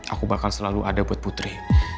aku bakal selalu ada buat putri